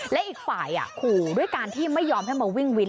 และอีกฝ่ายขู่ด้วยการที่ไม่ยอมให้มาวิ่งวิน